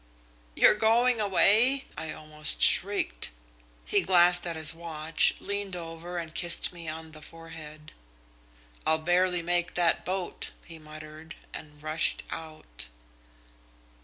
"'You're going away?' I almost shrieked. "He glanced at his watch, leaned over, and kissed me on the forehead. "'I'll barely make that boat,' he muttered, and rushed out."...